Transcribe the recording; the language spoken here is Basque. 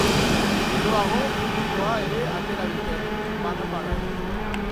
Geroago, publikoa ere atera dute, banan-banan.